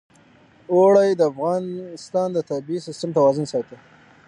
اوړي د افغانستان د طبعي سیسټم توازن ساتي.